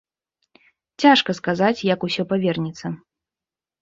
Цяжка сказаць, як усё павернецца.